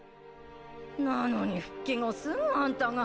なのに復帰後すぐアンタが。